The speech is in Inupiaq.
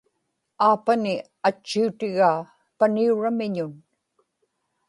aapani atchiutigaa paniuramiñun